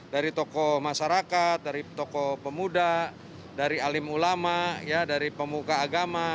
dari tokoh masyarakat dari tokoh pemuda dari alim ulama dari pemuka agama